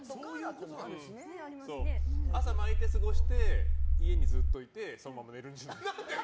朝、巻いて過ごして家にずっといてそのまま寝るんじゃない？